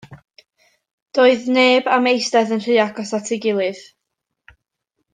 Doedd neb am eistedd yn rhy agos at ei gilydd.